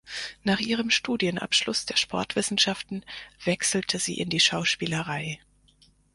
Nach ihrem Studienabschluss der Sportwissenschaften wechselte sie in die Schauspielerei.